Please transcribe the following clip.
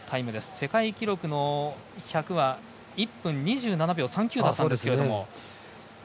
世界記録の１００は１分２７秒３９だったんですが。